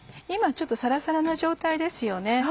今ちょっとサラサラな状態ですよね。